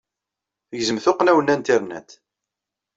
Tegzem tuqqna-w n Internet.